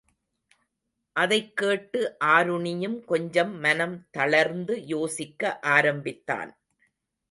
அதைக் கேட்டு ஆருணியும் கொஞ்சம் மனம் தளர்ந்து யோசிக்க ஆரம்பித்தான்.